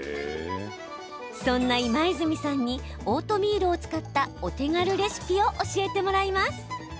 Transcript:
そんな今泉さんにオートミールを使ったお手軽レシピを教えてもらいます。